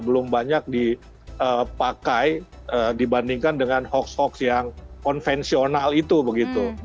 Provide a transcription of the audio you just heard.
belum banyak dipakai dibandingkan dengan hoax hoax yang konvensional itu begitu